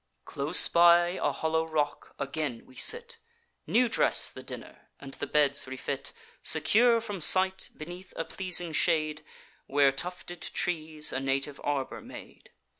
Close by a hollow rock, again we sit, New dress the dinner, and the beds refit, Secure from sight, beneath a pleasing shade, Where tufted trees a native arbour made.